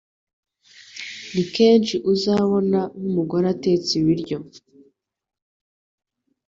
Ni kenshi uzabona nk'umugore atetse ibiryo